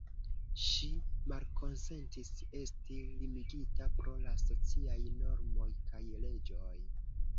Ŝi malkonsentis esti limigita pro la sociaj normoj kaj leĝoj.